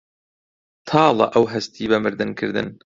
تاڵە ئەو هەستی بە مردن کردن